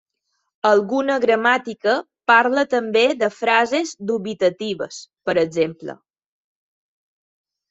Alguna gramàtica parla també de frases dubitatives, per exemple.